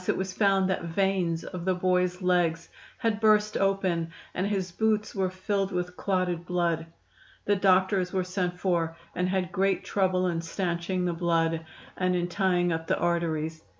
it was found that veins of the boy's legs had burst open, and his boots were filled with clotted blood. The doctors were sent for, and had great trouble in stanching the blood, and in tying up the arteries.